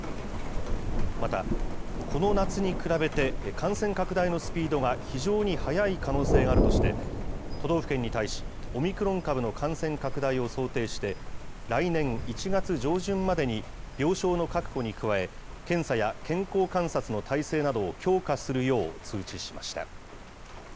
また、この夏に比べて感染拡大のスピードが非常に速い可能性があるとして、都道府県に対し、オミクロン株の感染拡大を想定して、来年１月上旬までに病床の確保に加え、検査や健康観察の体制などを強化するよう通知しました。